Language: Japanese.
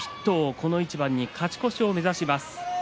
この一番に勝ち越しを目指します。